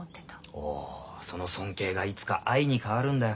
おおその尊敬がいつか愛に変わるんだよ。